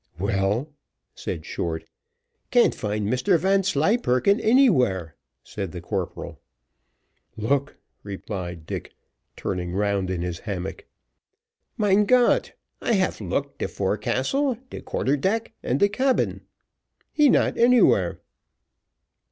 "Well," said Short. "Can't find Mr Vanslyperken anywhere," said the corporal. "Look," replied Dick, turning round in his hammock. "Mein Got, I have looked de forecastle, de quarter deck, and de cabin, he not anywhere."